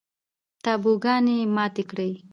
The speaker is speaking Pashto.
تابوگانې ماتې کړي